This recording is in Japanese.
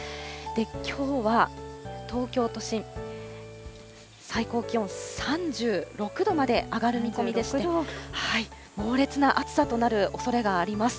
きょうは東京都心、最高気温３６度まで上がる見込みでして、猛烈な暑さとなるおそれがあります。